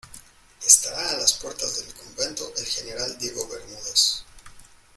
estará a las puertas del convento el general Diego Bermúdez.